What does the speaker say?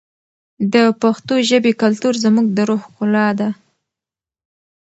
د پښتو ژبې کلتور زموږ د روح ښکلا ده.